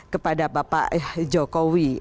kepada bapak jokowi